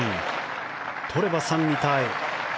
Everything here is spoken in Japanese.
とれば３位タイ。